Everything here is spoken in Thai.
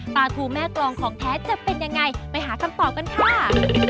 ปูแม่กรองของแท้จะเป็นยังไงไปหาคำตอบกันค่ะ